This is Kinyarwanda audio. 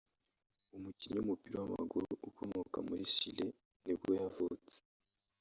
umukinnyi w’umupira w’amaguru ukomoka muri Chile nibwo yavutse